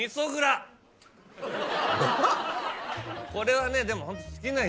これはねでも。